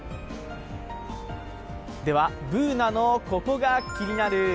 では、Ｂｏｏｎａの「ココがキニナル」。